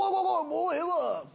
もうええわ！